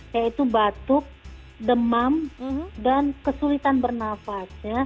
yaitu batuk demam dan kesulitan bernafas